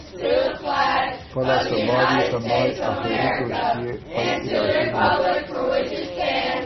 پۀ لاسته بعد يې ته مایٛ آخېري توݭکيې پئ علاقي نر